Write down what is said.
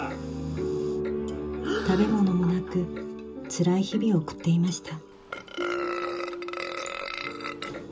食べ物もなくつらい日々を送っていました